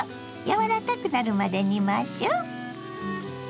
柔らかくなるまで煮ましょう。